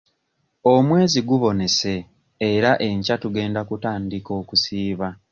Omwezi gubonese era enkya tugenda kutandika okusiiba.